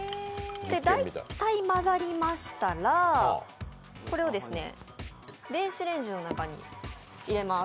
大体混ざりましたら、電子レンジの中に入れます。